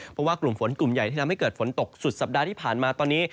เพราะว่ากลุ่มฝนกลุ่มใหญ่ที่ทำให้เกิดฝนตกสุดสัปดาห์ที่ผ่านมาตอนนี้